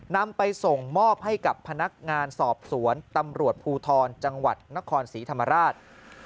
นำไปส่งมอบให้กับพนักงานสอบสวนตำรวจภูทรจังหวัดนครศรีธรรมราช